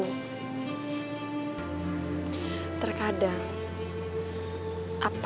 pasti atau tidak